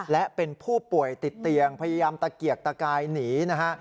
และเป็นผู้ป่วยติดเตียงพยายามตะเกียกตะกายหนีนะฮะ